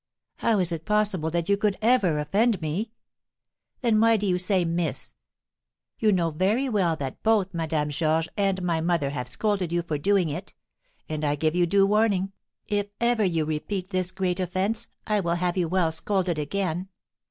"How is it possible that you could ever offend me?" "Then why do you say 'miss?' You know very well that both Madame Georges and my mother have scolded you for doing it. And I give you due warning, if ever you repeat this great offence, I will have you well scolded again.